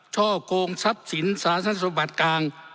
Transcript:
ช่อกลงทรัพย์สินศาสนสมบัติกลาง